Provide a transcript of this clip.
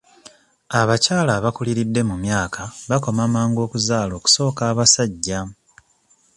Abakyala abakuliridde mu myaka bakoma mangu okuzaala okusooka abasajja